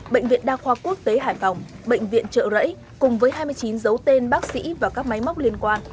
bệnh viện đa khoa quốc tế hải phòng bệnh viện trợ rẫy cùng với hai mươi chín dấu tên bác sĩ và các máy móc liên quan